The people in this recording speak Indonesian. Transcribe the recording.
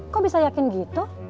kok bisa yakin gitu